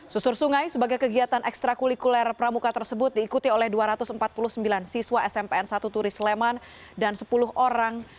susur sungai sebagai kegiatan ekstra kulikuler pramuka tersebut diikuti oleh dua ratus empat puluh sembilan siswa smpn satu turis leman dan sepuluh orang